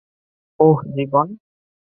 ওহ, জীবন।